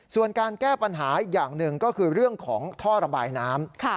ส่วนการแก้ปัญหาอีกอย่างหนึ่งก็คือเรื่องของท่อระบายน้ำ